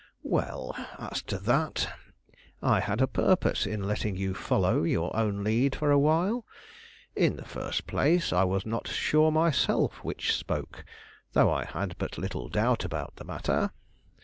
"Well, as to that, I had a purpose in letting you follow your own lead for a while. In the first place, I was not sure myself which spoke; though I had but little doubt about the matter.